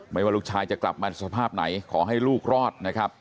ว่าลูกชายจะกลับมาสภาพไหนขอให้ลูกรอดนะครับ